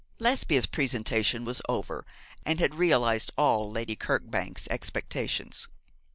Lesbia's presentation was over, and had realised all Lady Kirkbank's expectations.